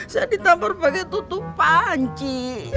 saya ditampar bagai tutup panci